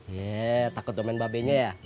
yee takut lo main babenya ya